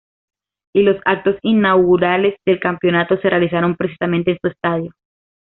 Y los actos inaugurales del campeonato se realizaron precisamente en su estadio.